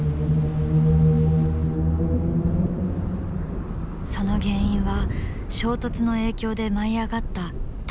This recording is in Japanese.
その原因は衝突の影響で舞い上がった大量のチリ。